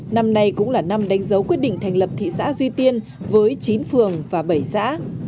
năm nay cũng là năm đánh dấu quyết định thành lập thị xã duy tiên với chín phường và bảy xã